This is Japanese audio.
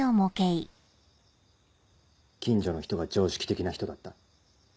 近所の人が常識的な人だった。